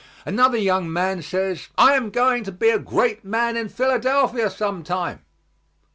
Another young man says, "I am going to be a great man in Philadelphia some time."